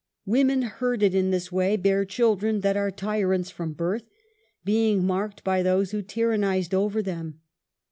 AYomen herded in this way bear children that are tyrants from birth, being marked by those who tyrannized over them.